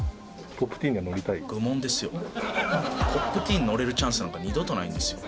Ｐｏｐｔｅｅｎ載れるチャンスなんか二度とないんですよ